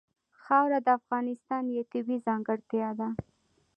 خاوره د افغانستان یوه طبیعي ځانګړتیا ده.